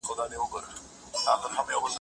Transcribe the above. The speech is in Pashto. جغرافیه زموږ په کلتور ژور اغېز لري.